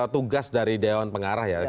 tugas dari dewan pengarah ya